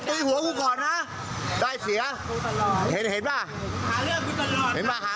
จากกูนี่ว่าหาชั้นทำไม